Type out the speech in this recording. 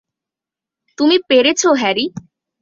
তুমি পেরেছো, হ্যারি।